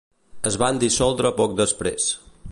Es van dissoldre poc després.